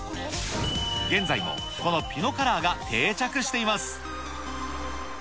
現在もこのピノカラーが定着しています。